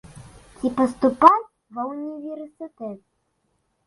Ці паступаць ва ўніверсітэт.